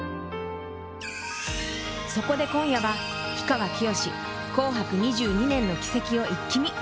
そこで今夜は氷川きよし「紅白」２２年の軌跡をイッキ見！